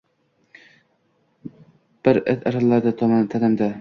Bir it irilladi tanamda